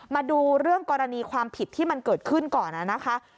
มาดูเรื่องกรณีความผิดที่มันเกิดขึ้นก่อนนะคะ